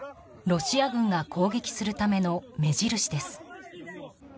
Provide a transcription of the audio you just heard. ロシア軍が攻撃するための目印です。